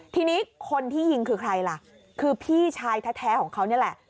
ทีนี้คนที่ยิงคือใครล่ะคือพี่ชายแท้ของเขานี่แหละ